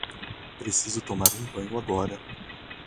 Preciso tomar um banho agora.